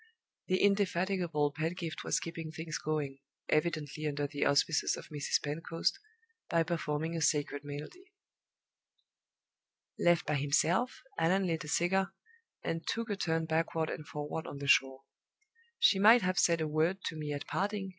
The indefatigable Pedgift was keeping things going evidently under the auspices of Mrs. Pentecost by performing a sacred melody. Left by himself, Allan lit a cigar, and took a turn backward and forward on the shore. "She might have said a word to me at parting!"